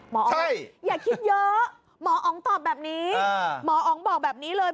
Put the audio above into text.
หมอองค์ว่าอย่าคิดเยอะหมอองค์ตอบแบบนี้หมอองค์บอกแบบนี้เลย